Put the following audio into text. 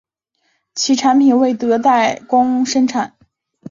其产品为同德代工生产。